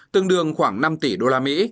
tương đương khoảng năm tỷ usd